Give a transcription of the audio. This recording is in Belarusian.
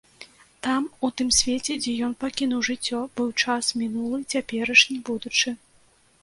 Там, у тым свеце, дзе ён пакінуў жыццё, быў час мінулы, цяперашні, будучы.